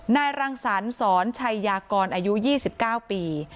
รังสรรสอนชัยยากรอายุ๒๙ปี